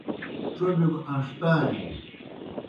ڇوبِیو گہ اݩݜٹائیں۔